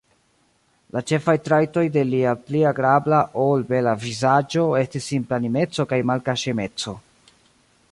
La ĉefaj trajtoj de lia pli agrabla, ol bela vizaĝo estis simplanimeco kaj malkaŝemeco.